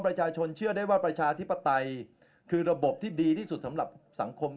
ประชาชนเชื่อได้ว่าประชาธิปไตยคือระบบที่ดีที่สุดสำหรับสังคม